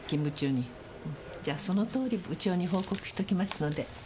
じゃそのとおり部長に報告しときますので。